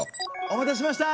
お待たせしました！